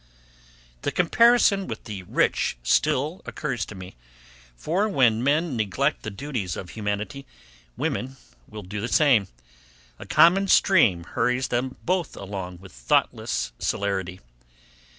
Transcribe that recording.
The comparison with the rich still occurs to me; for, when men neglect the duties of humanity, women will do the same; a common stream hurries them both along with thoughtless celerity.